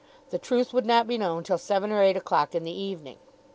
The truth would not be known till seven or eight o'clock in the evening.